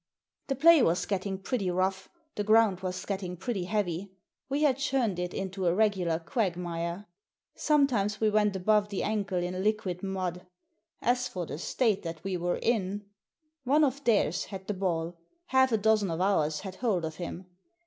The play was getting pretty rough, the ground was getting pretty heavy. We had churned it into a regular quagmire. Sometimes we went above the Digitized by VjOOQIC THE FIFTEENTH MAN 165 ankle in liquid mud. As for the state that we were in! One of theirs had the ball. Half a dozen of ours had hold of him.